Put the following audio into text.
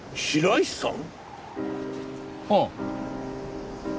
ああ。